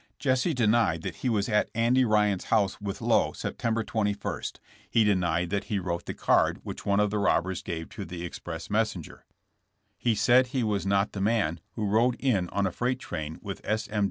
Jesse denied that he was at Andy Ryan's house with Lowe September 21; he denied that he wrote THl* TRIAX FOR TRAIN ROBBERY. 18S the card which one of the robbers gare to the ex press meesenger. He said he was not the man who rode in on a freight train with S. M.